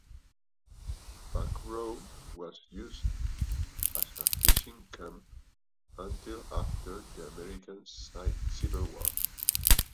Buckroe was used as a fishing camp until after the American Civil War.